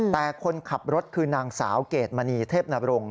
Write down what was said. แต่คนขับรถคือนางสาวเกรดมณีเทพนบรง